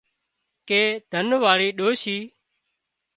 ڪي ڌن واۯي ڏوشي